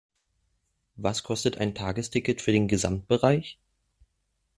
Was kostet ein Tagesticket für den Gesamtbereich?